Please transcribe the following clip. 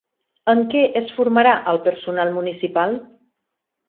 En què es formarà al personal municipal?